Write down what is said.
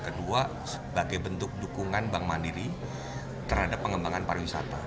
kedua sebagai bentuk dukungan bank mandiri terhadap pengembangan pariwisata